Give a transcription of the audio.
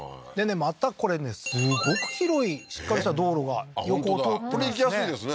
またこれねすごく広いしっかりした道路が横を通ってますね